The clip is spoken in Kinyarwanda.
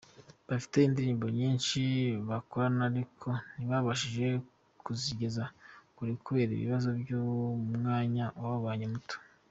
Bafite indirimbo nyinshi bakoranye ariko ntibabashije kuzigeza kure kubera ikibazo cy’umwanya wababanye muto.